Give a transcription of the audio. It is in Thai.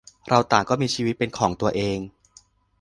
เราต่างก็มีชีวิตเป็นของตัวเอง